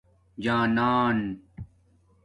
جانان